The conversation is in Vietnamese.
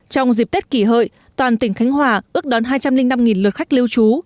trong dịp tết kỷ hợi toàn tỉnh khánh hòa ước đón hai trăm linh năm lượt khách lưu trú